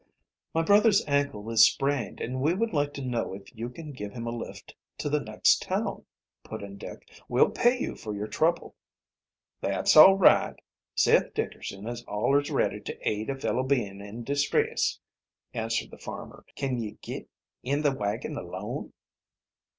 "My brother's ankle is sprained, and we would like to know if you can give him a lift to the next town," put in Dick. "We'll pay you for your trouble." "That's all right Seth Dickerson is allers ready to aid a fellow bein' in distress," answered the farmer. "Can ye git in the wagon alone?"